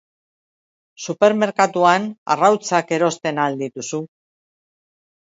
Supermerkatuan arrautzak erosten ahal dituzu.